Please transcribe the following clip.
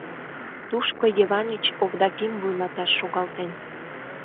Тушко Йыванич Овдаким вуйлаташ шогалтен.